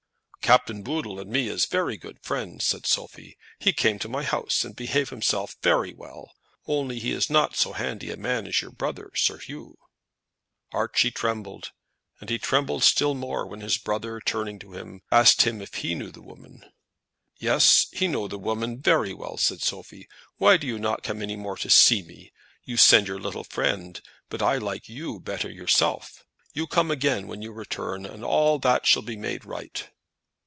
"Captain Booddle and me is very good friends," said Sophie. "He come to my house and behave himself very well; only he is not so handy a man as your brother, Sir 'Oo." Archie trembled, and he trembled still more when his brother, turning to him, asked him if he knew the woman. "Yes; he know the woman very well," said Sophie. "Why do you not come any more to see me? You send your little friend; but I like you better yourself. You come again when you return, and all that shall be made right."